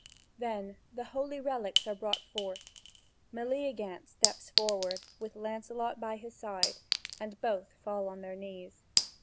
Then the holy relics are brought forth: Meleagant steps forward, with Lancelot by his side, and both fall on their knees.